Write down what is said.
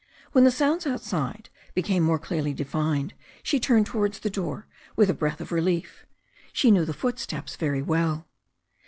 When the sounds outside became more clearly defined she turned towards the door with a breath of relief. She knew the footsteps very well.